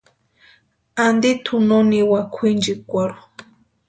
Anti tʼu no niwa kwʼinchikwarhu.